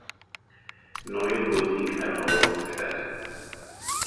Neuen Musik heraus statt.